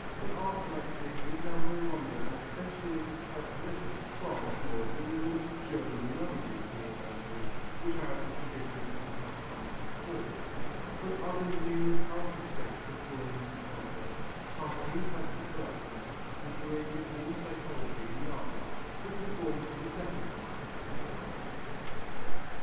But art collecting is now no longer an accentuated characteristic of France nor of England, Germany and other European countries which have a tradition and have come to the fore, but other new and powerful States have joined the contest, cast new types of collectors and created a new psychology in the art world which will form the second part of this book.